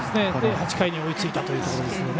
８回に追いついたというところですよね。